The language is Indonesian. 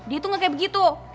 dia tuh gak kayak begitu